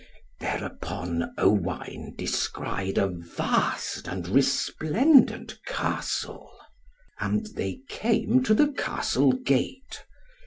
Thereupon Owain descried a vast and resplendent Castle. And they came to the Castle gate.